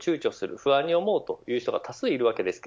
不安に思うという人が多数います。